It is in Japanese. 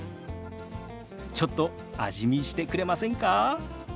ちょっと味見してくれませんか？